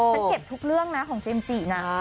ฉันเก็บทุกเรื่องนะของเจมส์จินะ